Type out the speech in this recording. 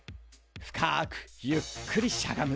深くゆっくりしゃがむ。